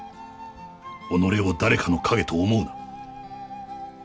己を誰かの陰と思うな。